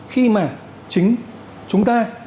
khi mà chính chúng ta